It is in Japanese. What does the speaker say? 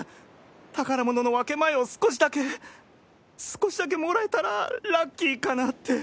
宝物の分け前を少しだけ少しだけもらえたらラッキーかなって。